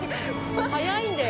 速いんだよ。